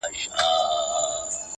مړې سي عاطفې هلته ضمیر خبري نه کوي,